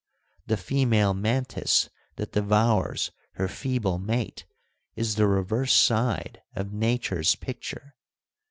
The female mantis that devours her feeble mate is the reverse side of Nature's picture.